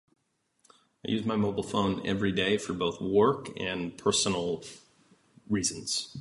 I use my mobile phone everyday for both work and personal reasons